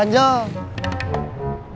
dia ngajak rujuk